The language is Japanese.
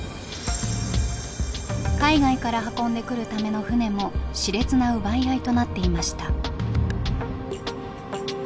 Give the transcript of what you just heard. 海外から運んでくるための船も熾烈な奪い合いとなっていました。